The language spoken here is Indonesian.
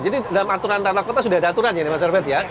jadi dalam aturan tata kota sudah ada aturan ya mas arbet ya